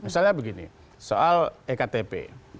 misalnya begini soal ektp